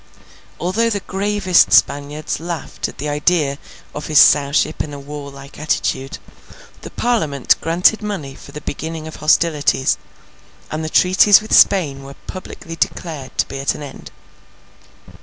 Although the gravest Spaniards laughed at the idea of his Sowship in a warlike attitude, the Parliament granted money for the beginning of hostilities, and the treaties with Spain were publicly declared to be at an end.